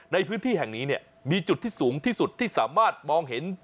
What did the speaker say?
ในพื้นที่แห่งนี้เนี่ยมีจุดที่สูงที่สุดที่สามารถมองเห็น